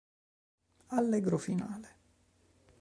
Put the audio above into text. Allegro finale